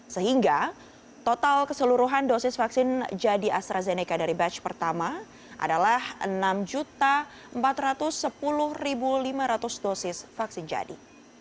sehingga total keseluruhan dosis vaksin jadi astrazeneca dari batch pertama adalah enam empat ratus sepuluh lima ratus dosis vaksin jadi